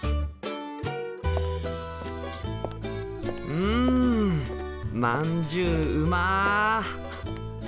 うんまんじゅううま！